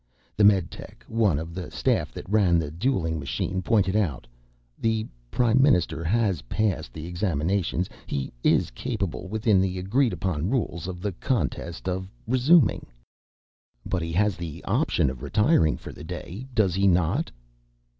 The meditech, one of the staff that ran the dueling machine, pointed out, "The Prime Minister has passed the examinations. He is capable, within the agreed upon rules of the contest, of resuming." "But he has the option of retiring for the day, does he not?"